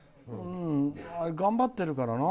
頑張ってるからな。